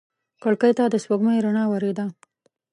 کړکۍ ته د سپوږمۍ رڼا ورېده.